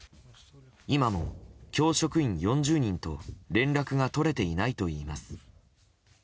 今も、教職員４０人と連絡が取れていないといいます。